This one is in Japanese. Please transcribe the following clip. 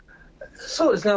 そうですね。